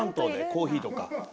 コーヒーとか。